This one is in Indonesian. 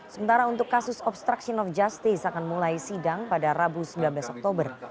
sementara untuk kasus obstruction of justice akan mulai sidang pada rabu sembilan belas oktober